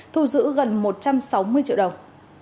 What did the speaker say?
sáu mươi triệu đồng